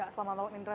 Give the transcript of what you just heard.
selamat malam indra